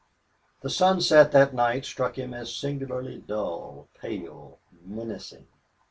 The sunset that night struck him as singularly dull, pale, menacing.